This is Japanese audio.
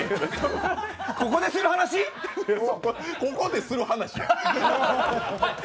ここでする話？